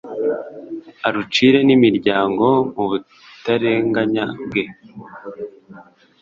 arucire n'imiryango mu butarenganya bwe